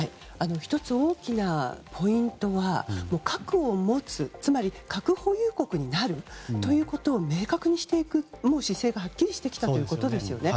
１つ、大きなポイントは核を持つ、つまり核保有国になるということを明確にしていく姿勢がはっきりしてきたということですよね。